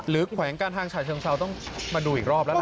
หรือขวัญการทางชายเชิงเช้าต้องมาดูอีกรอบแล้วล่ะ